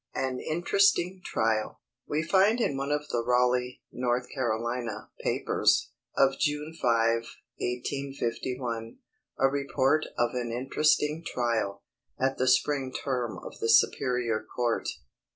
AN INTERESTING TRIAL. We find in one of the Raleigh (North Carolina) papers, of June 5, 1851, a report of an interesting trial, at the spring term of the Superior Court.